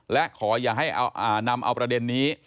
และขออย่าให้นำเอาประเด็นนี้